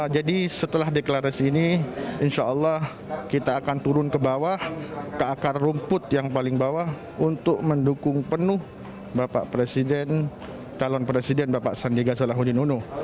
jadi setelah deklarasi ini insya allah kita akan turun ke bawah ke akar rumput yang paling bawah untuk mendukung penuh bapak presiden calon presiden bapak sandiaga salahuddin uno